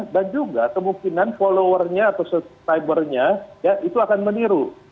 dan juga kemungkinan followernya atau subscribernya ya itu akan meniru